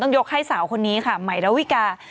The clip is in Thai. ต้องยกให้สาวคนนี้ค่ะไหมดาวิกา